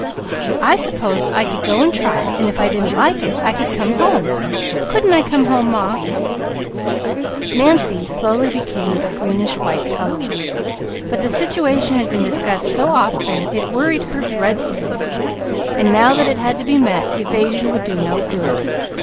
"I supposed I could go and try it, and if I didn't like it I could come home. Couldn't I come home Ma?" Nancy slowly became a greenish white colour; but the situation had been discussed so often, it worried her dreadfully; now that it had to be met, evasion would do no good.